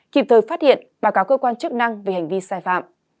kịp thời phát hiện báo cáo cơ quan chức năng về hành vi sai phạm